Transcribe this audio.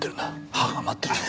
母が待ってるぞ」